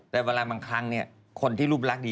แต่เวลาบางครั้งคนที่รูปรักดี